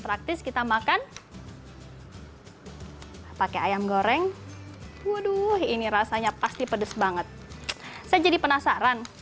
praktis kita makan pakai ayam goreng waduh ini rasanya pasti pedes banget saya jadi penasaran